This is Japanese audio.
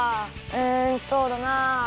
うんそうだな。